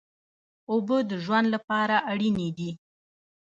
اوبه د ژوند لپاره اړینې دي.